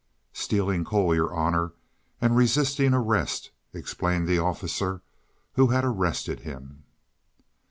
"Stealing coal, Your Honor, and resisting arrest," explained the officer who had arrested him.